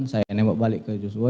saya nembak balik ke joshua